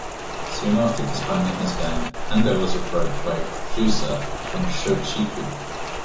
Soon after disbanding his gang, Ando was approached by a producer from Shochiku.